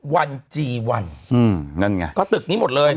อืมนั่นไงก็ตึกนี้หมดเลย